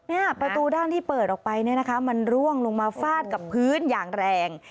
เนี่ยประตูด้านที่เปิดออกไปเนี่ยนะคะมันร่วงลงมาฟาดกับพื้นอย่างแรง